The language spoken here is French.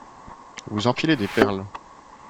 Vous enfilez des perles